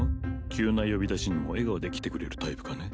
急な呼び出しにも笑顔で来てくれるタイプかね？